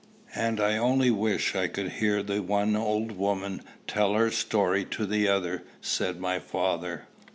"And I only wish I could hear the one old woman tell her story to the other," said my father.